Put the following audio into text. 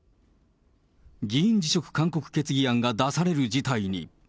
議員辞職勧告決議案が出される事態に。